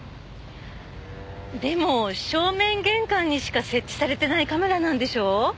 でも正面玄関にしか設置されてないカメラなんでしょ。